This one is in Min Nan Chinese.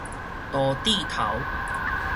肚蒂頭